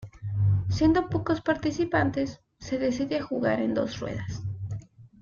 Siendo tan pocos participantes, se decide jugar en dos ruedas.